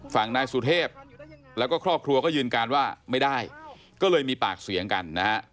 นายสุเทพแล้วก็ครอบครัวก็ยืนยันว่าไม่ได้ก็เลยมีปากเสียงกันนะฮะ